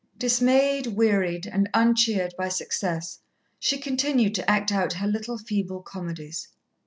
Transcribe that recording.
Dismayed, wearied, and uncheered by success, she continued to act out her little feeble comedies.